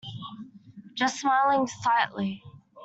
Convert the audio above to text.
Just smiling slightly.